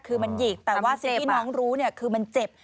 คือมันหยิกแต่ว่าสิ่งที่น้องรู้เนี่ยคือมันเจ็บ